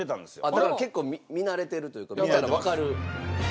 だから結構見慣れてるというかわかる。